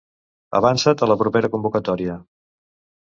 Avança't a la propera convocatòria!